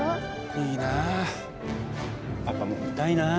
いいなあパパも見たいな。